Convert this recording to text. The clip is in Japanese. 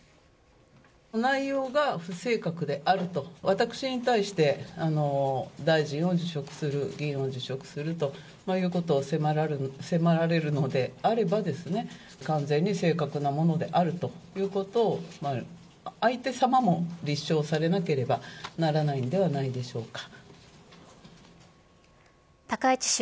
内容が不正確であると、私に対して大臣を辞職する、議員を辞職するということを迫られるのであればですね、完全に正確なものであるということを、相手様も立証されなければならないのではないでしょうか。